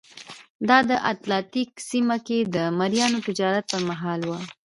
دا د اتلانتیک سیمه کې د مریانو تجارت پرمهال وه.